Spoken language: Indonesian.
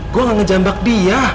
gue nggak ngejambak dia